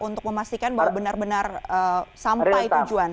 untuk memastikan bahwa benar benar sampai tujuan